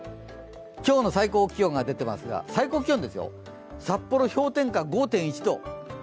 今日の最高気温が出ていますが、最高気温ですよ、札幌、氷点下５．１度。